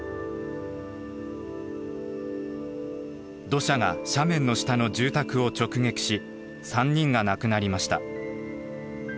土砂が斜面の下の住宅を直撃し３人が亡くなりました。